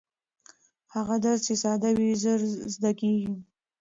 هغه درس چې ساده وي ژر زده کېږي.